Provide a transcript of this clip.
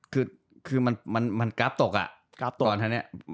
คือมันกราฟตกก่อนท่านี้